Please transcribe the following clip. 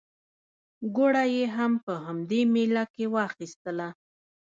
ګوړه یې هم په همدې مېله کې واخیستله.